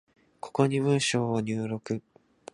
ここに文章を入力